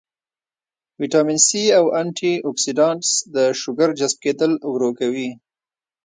وټامن سي او انټي اکسيډنټس د شوګر جذب کېدل ورو کوي